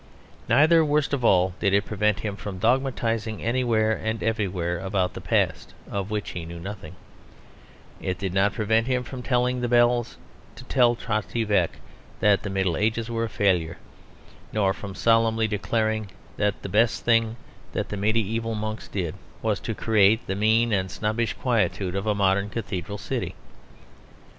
Neither, worst of all, did it prevent him from dogmatising anywhere and everywhere about the past, of which he knew nothing; it did not prevent him from telling the bells to tell Trotty Veck that the Middle Ages were a failure, nor from solemnly declaring that the best thing that the mediæval monks ever did was to create the mean and snobbish quietude of a modern cathedral city.